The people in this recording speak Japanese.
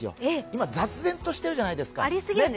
今、雑然としてるじゃないですか。